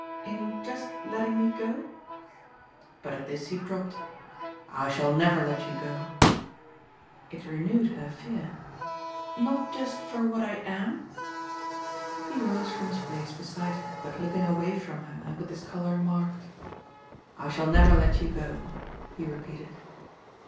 "In just letting me go ?" But at this he dropped. "I shall never let you go." It renewed her fear. "Not just for what I AM?" He rose from his place beside her, but looking away from her and with his colour marked. "I shall never let you go," he repeated.